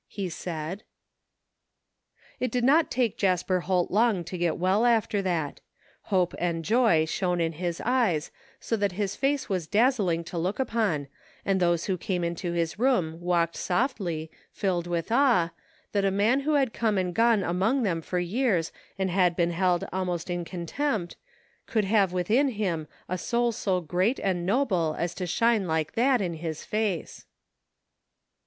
" he said. 270 THE FINDING OF JASPER HOLT It did not take Jasper Holt long to get well after that Hope and joy shone in his eyes so that his face was dazzling to look upon, and those who came into his room walked softly, filled with awe, that a man who had come and gone among them for years and been held almost in contempt, could have within him a soul so great and noble as to shine like that in his face.